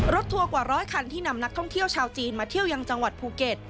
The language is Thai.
ทัวร์กว่าร้อยคันที่นำนักท่องเที่ยวชาวจีนมาเที่ยวยังจังหวัดภูเก็ต